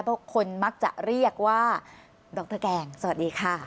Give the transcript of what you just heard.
เพราะคนมักจะเรียกว่าดรแกงสวัสดีค่ะ